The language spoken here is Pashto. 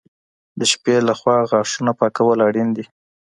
د شپې لخوا غاښونه پاکول اړین دي.